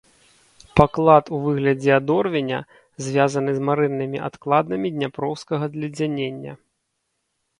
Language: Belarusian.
Паклад у выглядзе адорвеня звязаны з марэннымі адкладамі дняпроўскага зледзянення.